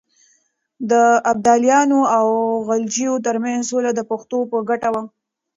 د ابدالیانو او غلجیو ترمنځ سوله د پښتنو په ګټه وه.